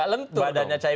kan badannya cawapres